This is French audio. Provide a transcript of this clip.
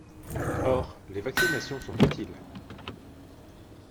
Or les vaccinations sont utiles.